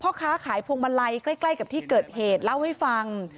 ค้าขายพวงมาลัยใกล้กับที่เกิดเหตุเล่าให้ฟัง